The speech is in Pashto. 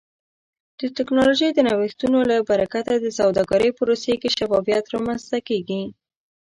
د ټکنالوژۍ د نوښتونو له برکته د سوداګرۍ پروسې کې شفافیت رامنځته کیږي.